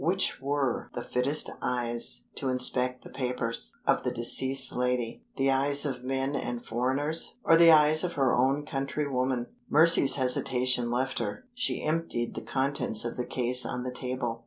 Which were the fittest eyes to inspect the papers of the deceased lady the eyes of men and foreigners, or the eyes of her own countrywoman? Mercy's hesitation left her. She emptied the contents of the case on the table.